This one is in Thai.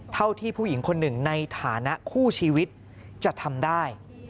เท่าที่ผู้หญิงคนหนึ่งในฐานะคู่ชีวิตจะทำได้